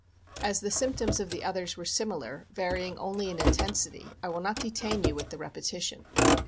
As the symptoms of the others were similar, varying only in intensity, I will not detain you with the repetition.